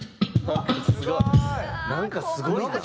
すごい！